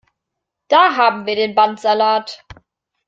Da haben wir den Bandsalat!